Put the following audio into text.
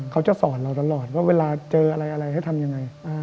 เขาจะสอนเราตลอดว่าเวลาเจออะไรอะไรให้ทำยังไง